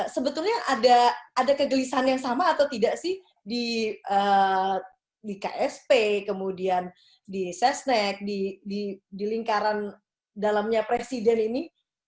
sebetulnya ada kegelisahan yang sama atau tidak sih di ksp kemudian di sesnek di lingkaran dalamnya presiden ini